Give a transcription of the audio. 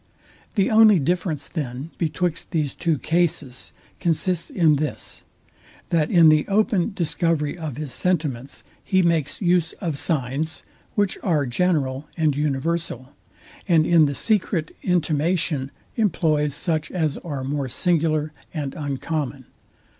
The only difference, then, betwixt these two cases consists in this, that in the open discovery of his sentiments he makes use of signs, which are general and universal; and in the secret intimation employs such as are more singular and uncommon.